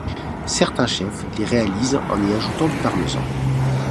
Certains chefs les réalisent en y ajoutant du parmesan.